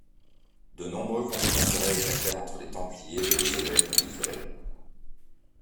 De nombreux conflits d'intérêt éclatèrent entre les Templiers et les évêques ou les curés.